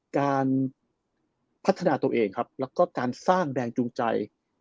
การพัฒนาตัวเองครับแล้วก็การสร้างแรงจูงใจ